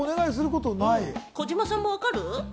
児嶋さん分かる？